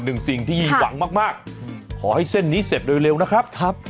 หนึ่งสิ่งที่หิวหวังมากมากอืมขอให้เส้นนี้เสร็จโดยเร็วนะครับครับ